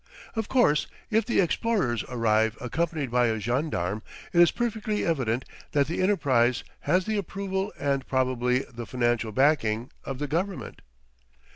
Of course, if the explorers arrive accompanied by a gendarme it is perfectly evident that the enterprise has the approval and probably the financial backing of the government.